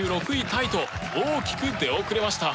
タイと大きく出遅れました。